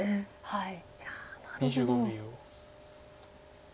はい。